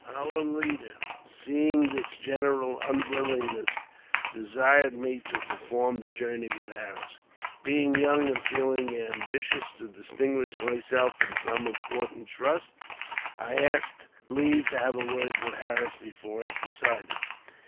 Our leader, seeing this general unwillingness, desired me to perform the journey with Harris. Being young, and feeling ambitious to distinguish myself in some important trust, I asked leave to hav3 a word with Harris before I decided.